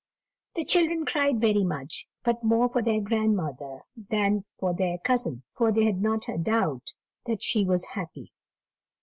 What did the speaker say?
The children cried very much, but more for their grandmother than for their cousin; for they had not a doubt that she was happy.